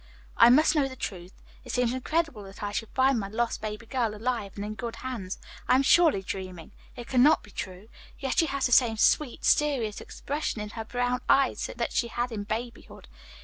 "I must know the truth. It seems incredible that I should find my lost baby girl alive and in good hands. I am surely dreaming. It cannot be true. Yet she has the same sweet, serious expression in her brown eyes that she had in babyhood.